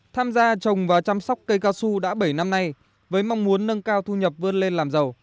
tham gia trồng và chăm sóc cây cao su đã bảy năm nay với mong muốn nâng cao thu nhập vươn lên làm giàu